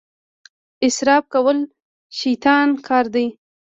اسراف کول د شیطان کار دی.